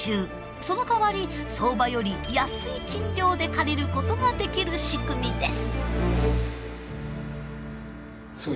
そのかわり相場より安い賃料で借りることができる仕組みです。